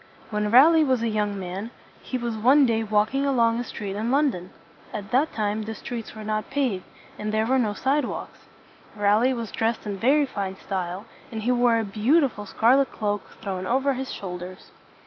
When Raleigh was a young man, he was one day walking along a street in London. At that time the streets were not paved, and there were no sidewalks. Raleigh was dressed in very fine style, and he wore a beau ti ful scar let cloak thrown over his shoulders.